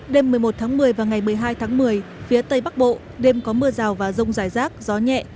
đêm một mươi một tháng một mươi và ngày một mươi hai tháng một mươi phía tây bắc bộ đêm có mưa rào và rông rải rác gió nhẹ